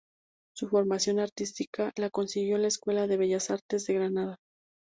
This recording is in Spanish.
Su formación artística, la consiguió en la Escuela de Bellas Artes de Granada.